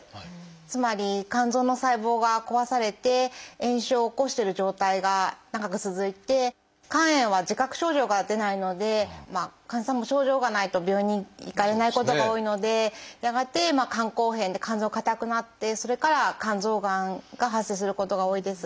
つまり肝臓の細胞が壊されて炎症を起こしてる状態が長く続いて肝炎は自覚症状が出ないので患者さんも症状がないと病院に行かれないことが多いのでやがて肝硬変で肝臓硬くなってそれから肝臓がんが発生することが多いです。